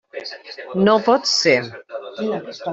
No pot ser.